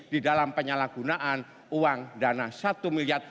di dalam penyalahgunaan uang dana satu miliar